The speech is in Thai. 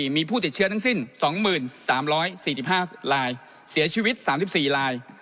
มีผู้ติดเชื้อทั้งสิ้น๒๓๔๕ลายเสียชีวิต๓๔ลาย